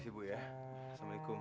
sini bu ya assalamualaikum